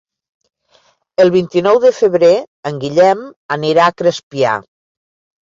El vint-i-nou de febrer en Guillem anirà a Crespià.